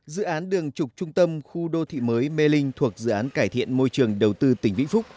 dự án đường trục trung tâm khu đô thị mới mê linh thuộc dự án cải thiện môi trường đầu tư tỉnh vĩnh phúc